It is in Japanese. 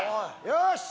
よし！